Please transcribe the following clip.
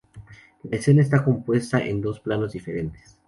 La escena está compuesta en dos planos diferentes.